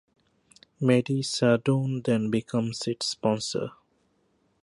Medi Sadoun then becomes its sponsor.